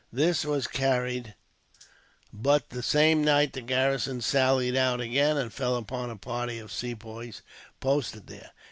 This was carried, but the same night the garrison sallied out again, and fell upon the party of Sepoys posted there.